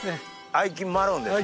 愛樹マロンですね。